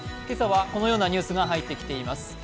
今朝はこのようなニュースが入ってきています。